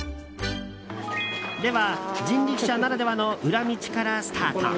では、人力車ならではの裏道からスタート。